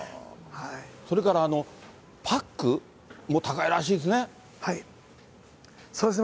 それから、パックも高いらしいですね。